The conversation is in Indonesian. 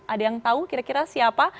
ada yang tahu kira kira siapa